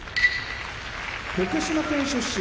福島県出身